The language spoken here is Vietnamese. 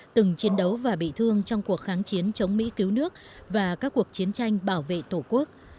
từng chiến đấu và bị thương trong cuộc kháng chiến chống mỹ cứu nước và các cuộc chiến tranh bảo vệ tổ quốc